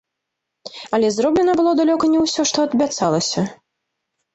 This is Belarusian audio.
Але зроблена было далёка не ўсё, што абяцалася.